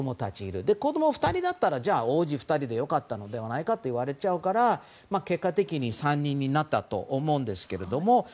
そして子供２人だったら王子２人でもいいんじゃないかといわれちゃうから結果的に３人になったと思うんですけども。